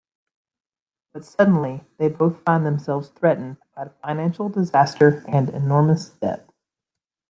But suddenly they both find themselves threatened by financial disaster and enormous debt.